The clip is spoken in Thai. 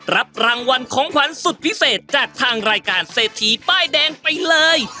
รับรางวัลของขวัญสุดพิเศษจากทางรายการเศรษฐีป้ายแดงไปเลย